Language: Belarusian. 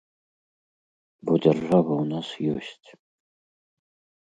Бо дзяржава ў нас ёсць.